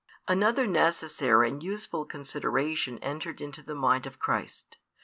Another necessary and useful consideration entered into the mind of Christ.